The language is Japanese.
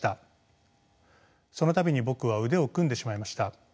その度に僕は腕を組んでしまいました。